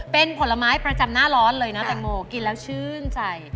เป็นผลไม้ประจำหน้าร้อนเลยนะแตงโมกินแล้วชื่นใจ